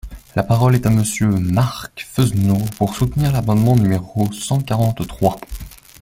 La parole est à Monsieur Marc Fesneau, pour soutenir l’amendement numéro cent quarante-trois.